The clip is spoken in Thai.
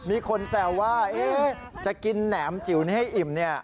มีคนแซวว่าจะกินแหนมจิ๋วนี้ให้อิ่มเนี่ย